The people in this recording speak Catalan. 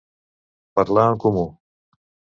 Parlar en comú.